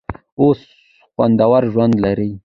اوس خوندور ژوند لري.